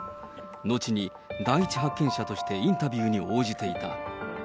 後に第一発見者としてインタビューに応じていた。